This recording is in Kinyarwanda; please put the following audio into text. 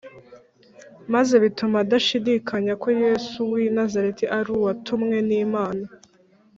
maze bituma adashidikanya ko Yesu w’i Nazareti ari Uwatumwe n’Imana